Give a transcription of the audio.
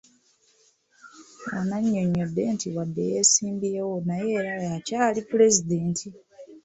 Ono annyonnyodde nti wadde yeesimbyewo naye era y'akyali Pulezidenti